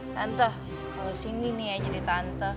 tante kalo sini nih ya jadi tante